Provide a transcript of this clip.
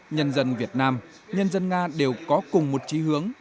nhân dân việt nam nhân dân nga đều có cùng một trí hướng